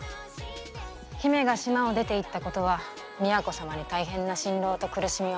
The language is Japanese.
姫が島を出ていったことは都様に大変な心労と苦しみを与えた。